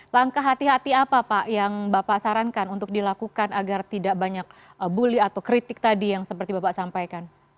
langkah hati hati apa pak yang bapak sarankan untuk dilakukan agar tidak banyak bully atau kritik tadi yang seperti bapak sampaikan